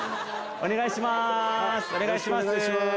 お願いします